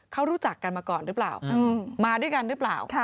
เขารู้จักกันมาก่อนหรือเปล่ามาด้วยกันหรือเปล่า